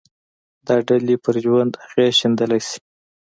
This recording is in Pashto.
دا ډلې پر ژوند اغېز ښندلای شي